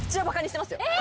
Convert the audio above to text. え！